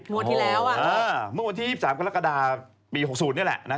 มวดที่แล้วอ่ะอ่ามวดที่๒๓กรกฎาปี๖๐นี่แหละนะฮะ